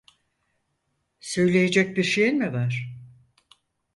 Söyleyecek bir şeyin mi var?